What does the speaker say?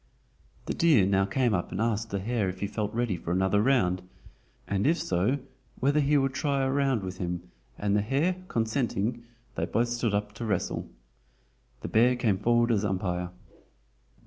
The deer now came up and asked the hare if he felt ready for another round, and if so whether he would try a round with him, and the hare consenting, they both stood up to wrestle. The bear came forward as umpire.